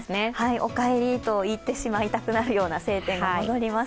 お帰りと行ってしまいたくなるような晴天が戻ります。